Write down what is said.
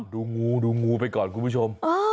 ดูงูดูงูไปก่อนคุณผู้ชม